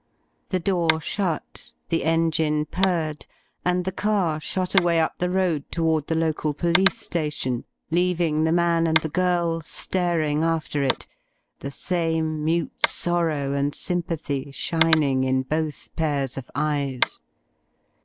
The door shut, the engine purred, and the car shot away up the road toward the local police station, leaving the man and the girl staring after it, the same mute sorrow and sympathy shining in both pairs of eyes.